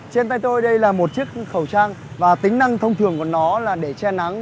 trên tay tôi đây là một chiếc khẩu trang và tính năng thông thường của nó là để che nắng